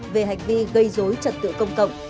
về hành vi gây dối trật tự công cộng